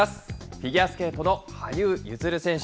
フィギュアスケートの羽生結弦選手。